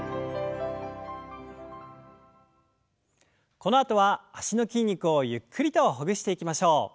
このあとは脚の筋肉をゆっくりとほぐしていきましょう。